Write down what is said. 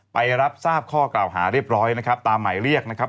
ไปรับทราบข้อกล่าวหาเรียบร้อยนะครับตามหมายเรียกนะครับ